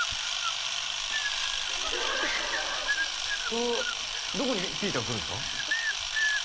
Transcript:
これはどこにピータン来るんですか？